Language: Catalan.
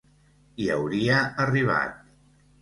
Hi hauria arribat.